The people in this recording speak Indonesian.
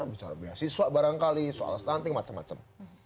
bicara beasiswa barangkali soal stunting macam macam